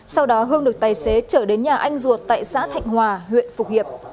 sau đó hương được tài xế trở đến nhà anh ruột tại xã thạnh hòa huyện phục hiệp